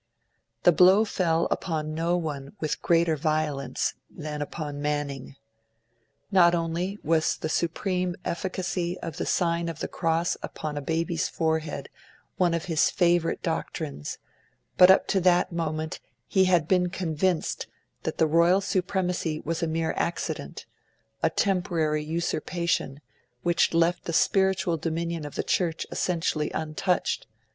The blow fell upon no one with greater violence than upon Manning. Not only was the supreme efficacy of the sign of the cross upon a baby's forehead one of his favourite doctrines, but up to that moment he had been convinced that the Royal Supremacy was a mere accident a temporary usurpation which left the spiritual dominion of the Church essentially untouched.